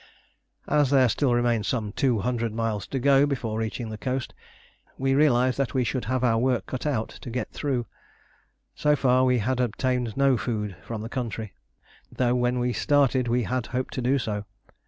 As there still remained some 200 miles to go before reaching the coast, we realised that we should have our work cut out to get through. So far we had obtained no food from the country, though when we started we had hoped to do so.